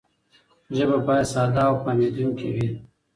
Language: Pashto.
ژبه باید ساده او فهمېدونکې وي.